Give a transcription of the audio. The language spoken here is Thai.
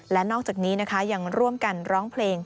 และนอกจากนี้นะคะยังร่วมกันร้องเพลง